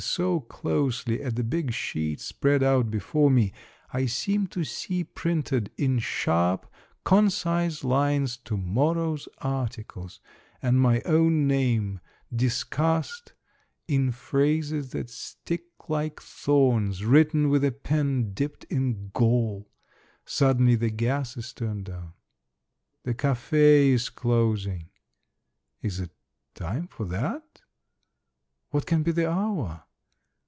231 so closely at the big sheet spread out before me, I seem to see printed in sharp, concise lines to morrow's articles, and my own name discussed in phrases that stick like thorns, written with a pen dipped in gall. Suddenly the gas is turned down. The cafe is closing. Is it time for that? What can be the hour?